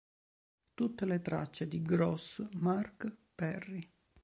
Tutte le tracce di Gross, Mark, Perri.